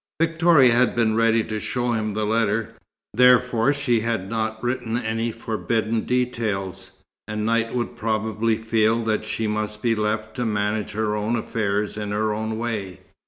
Victoria had been ready to show him the letter, therefore she had not written any forbidden details; and Knight would probably feel that she must be left to manage her own affairs in her own way.